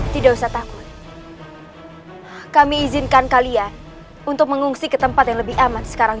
tidak usah takut kami izinkan kali ya untuk mengungsi ke tempat yang lebih aman sekarang